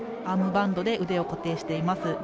アームバンドで腕を固定しています。